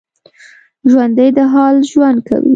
ژوندي د حال ژوند کوي